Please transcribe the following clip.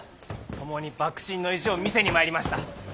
共に幕臣の意地を見せに参りました。